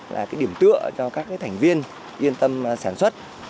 là cái điểm tựa cho các thành viên yên tâm sản xuất